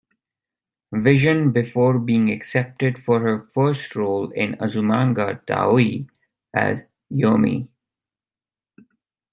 Vision before being accepted for her first role in Azumanga Daioh as Yomi.